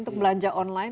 untuk belanja online